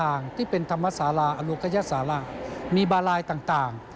อัลโลกยาสาระมีบารายต่าง